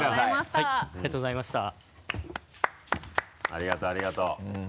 ありがとうありがとう。